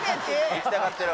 いきたがってる